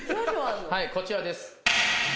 はいこちらです。